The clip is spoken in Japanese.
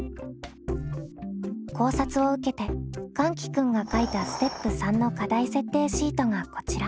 考察を受けてかんき君が書いたステップ３の課題設定シートがこちら。